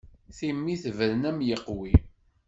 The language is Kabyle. Timi tebren am yeqwi.